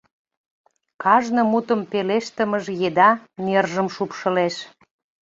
Кажне мутым пелештымыж еда нержым шупшылеш.